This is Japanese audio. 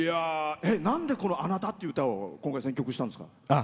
なんで、この「あなた。」っていう歌を今回、選曲したんですか？